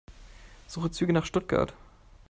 Suche Züge nach Stuttgart.